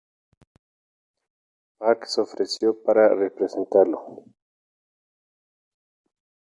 Park se ofreció para representarlo.